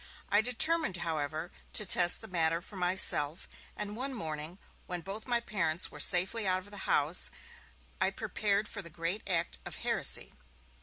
I determined, however, to test the matter for myself, and one morning, when both my parents were safely out of the house, I prepared for the great act of heresy.